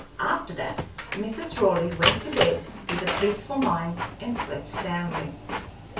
After that Mrs. Raleigh went to bed with a peaceful mind and slept soundly.